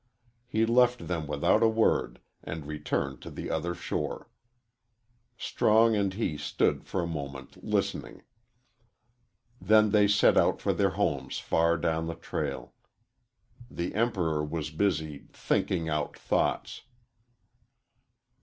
He left them without a word and returned to the other shore. Strong and he stood for a moment listening. Then they set out for their homes far down the trail. The Emperor was busy "thinking out thoughts."